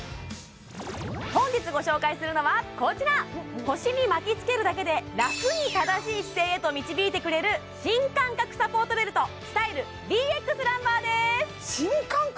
本日ご紹介するのはこちら腰に巻きつけるだけでラクに正しい姿勢へと導いてくれる新感覚サポートベルトスタイルＢＸランバーです新感覚？